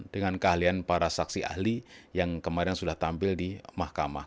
dengan keahlian para saksi ahli yang kemarin sudah tampil di mahkamah